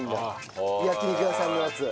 焼き肉屋さんのやつ。